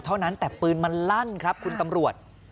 เท่านั้นแต่ปืนมันลั่นครับคุณตำรวจ